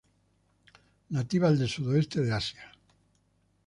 Nativas del sudoeste de Asia.